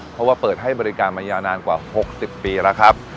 เพราะว่าเปิดให้บริการมายาวนานกว่า๖๐ปีแล้วครับ